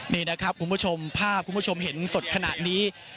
นี่นะครับคุณผู้ชมภาพคุณผู้ชมเห็นสดขณะนี้